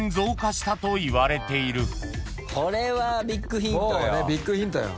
これはビッグヒントよ。